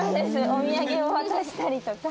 お土産を渡したりとか。